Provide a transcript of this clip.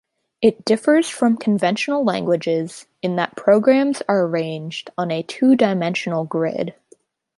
It differs from conventional languages in that programs are arranged on a two-dimensional grid.